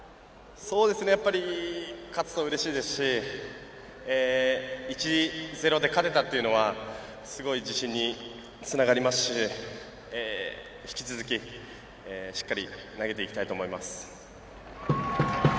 やっぱり勝つとうれしいですし１−０で勝てたというのはすごい自信につながりましたし引き続き、しっかり投げていきたいと思います。